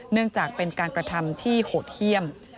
เนื่องจากเป็นการกระทำที่โหดเยี่ยม